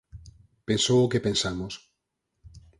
Pensou o que pensamos.